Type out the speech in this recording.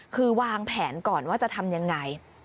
คือวางแผนก่อนว่าจะทำยังไง